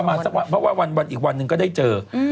ประมาณสักวันเพราะว่าอีกวันอีกวันนึงก็ได้เจอ